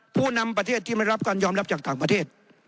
ผู้นำประเทศที่ไม่รับการยอมรับจากต่างประเทศ